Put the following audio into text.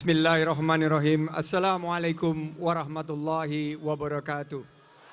bismillahirrahmanirrahim assalamualaikum warahmatullahi wabarakatuh